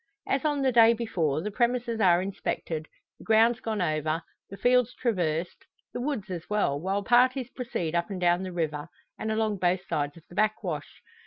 As on the day before, the premises are inspected, the grounds gone over, the fields traversed, the woods as well, while parties proceed up and down the river, and along both sides of the backwash.